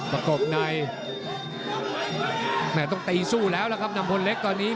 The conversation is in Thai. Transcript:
ประกบในแม่ต้องตีสู้แล้วล่ะครับนำพลเล็กตอนนี้